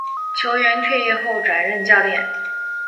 球员退役后转任教练。